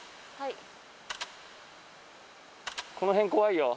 この辺怖いよ。